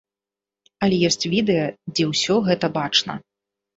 Але ёсць відэа, дзе ўсё гэта бачна.